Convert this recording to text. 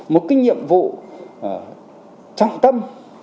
một cái nhiệm vụ trọng tâm